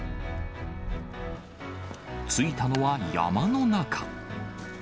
着いたのは山の中。